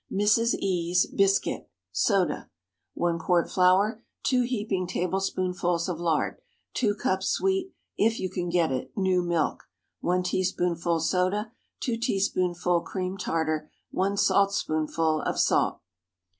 MRS. E——'S BISCUIT (Soda.) ✠ 1 quart flour. 2 heaping tablespoonfuls of lard. 2 cups sweet—if you can get it—new milk. 1 teaspoonful soda. 2 teaspoonful cream tartar. 1 saltspoonful of salt.